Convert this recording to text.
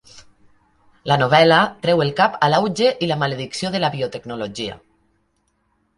La novel·la treu el cap a l'auge i la maledicció de la biotecnologia.